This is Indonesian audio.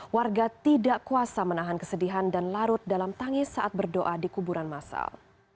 warga tidak kuasa menahan kesedihan dan larut dalam tangis saat berdoa di kuburan masal